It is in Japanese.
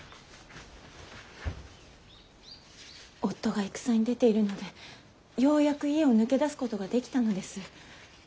夫が戦に出ているのでようやく家を抜け出すことができたのです。